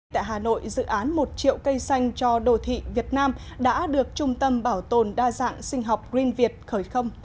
tại hà nội dự án một triệu cây xanh cho đô thị việt nam đã được trung tâm bảo tồn đa dạng sinh học greenviet khởi không